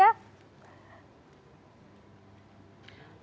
kalau tadi kita secara fisik tidak bisa berkunjung